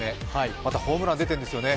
またホームラン出てるんですよね。